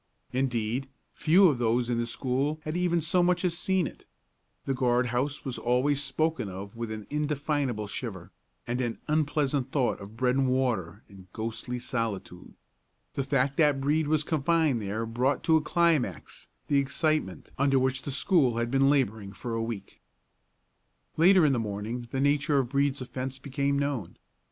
Indeed, few of those in the school had even so much as seen it. The guard house was always spoken of with an indefinable shiver, and an unpleasant thought of bread and water and ghostly solitude. The fact that Brede was confined there brought to a climax the excitement under which the school had been laboring for a week. Later in the morning the nature of Brede's offence became known.